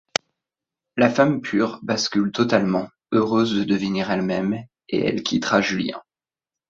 La femme pure bascule totalement, heureuse de devenir elle-même, et elle quittera Julien.